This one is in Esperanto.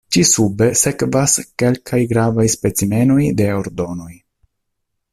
Ĉi-sube sekvas kelkaj gravaj specimenoj de ordonoj.